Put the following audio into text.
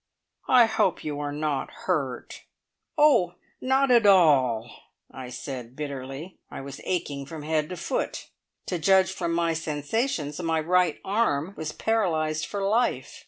"I hope you are not hurt." "Oh, not at all!" I said bitterly. I was aching from head to foot. To judge from my sensations, my right arm was paralysed for life.